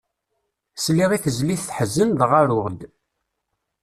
Sliɣ i tezlit teḥzen dɣa ruɣ-d.